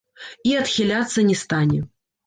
І адхіляцца не стане.